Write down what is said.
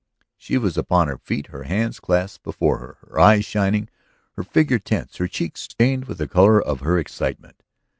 She was upon her feet, her hands clasped before her, her eyes shining, her figure tense, her cheeks stained with the color of her excitement.